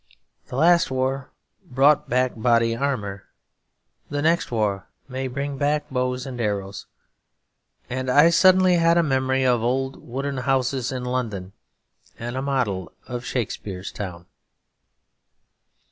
The last war brought back body armour; the next war may bring back bows and arrows. And I suddenly had a memory of old wooden houses in London; and a model of Shakespeare's town.